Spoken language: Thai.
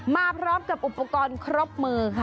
มาพร้อมกับอุปกรณ์ครบมือค่ะ